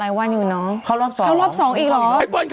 ไอ้ป้อนเข้าอีกแล้วเหรอ